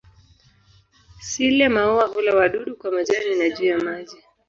Sile-maua hula wadudu kwa majani na juu ya maji.